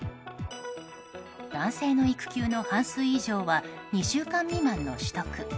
男性の育休の半数以上は２週間未満の取得。